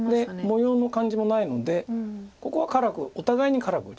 模様の感じもないのでここは辛くお互いに辛く打ちたい。